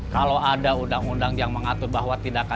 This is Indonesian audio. kalau ada undang undang yang mengatur bahwa tindakan saya